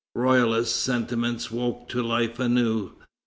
Royalist sentiments woke to life anew.